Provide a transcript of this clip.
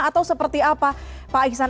atau seperti apa pak iksan